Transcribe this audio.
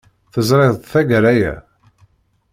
Teẓriḍ-t tagara-a?